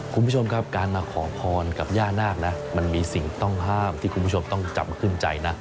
คุณผู้ชมครับการมาขอพรกับย่านาคนะมันมีสิ่งต้องห้ามที่คุณผู้ชมต้องจำขึ้นใจนะ